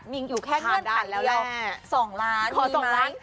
เพื่อนขายเดียว๒ล้านมีไหม